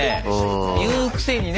言うくせにね